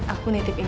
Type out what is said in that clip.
aku mau ke kamar